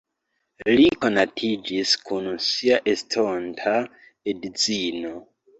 Li konatiĝis kun sia estonta edzino.